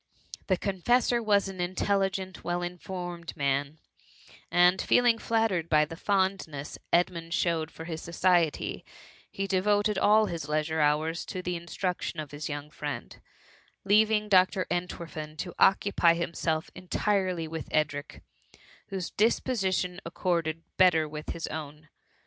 The confessor was an intelligent, well in formed man, and feeling fiattared by the fond ness Edmund showed for his society, he de voted all his leisure hours to the instruction of his young friend, leaving Dr. Entwerfen to occupy himself entirely with Edric, whose dii^ position accorded better with his own.